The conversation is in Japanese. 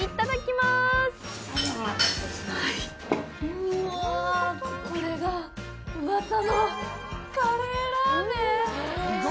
うわあ、これがうわさのカレーラーメン。